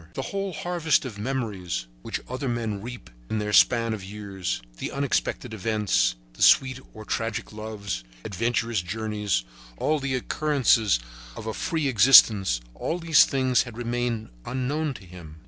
The whole harvest of memories which other men reap in their span of years, the unexpected events, sweet or tragic loves, adventurous journeys, all the occurrences of a free existence, all these things had remained unknown to him.